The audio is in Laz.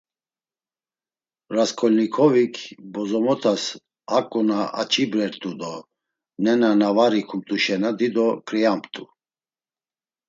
Rasǩolnikovik, bozomotas haǩu na aç̌ibrert̆u do nena na var ikumt̆u şena dido ǩriamt̆u.